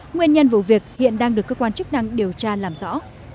nguyên nhân vụ việc hiện đang được cơ quan chức năng điều tra làm rõ